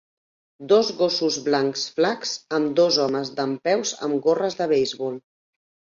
Dos gossos blancs flacs amb dos homes dempeus amb gorres de beisbol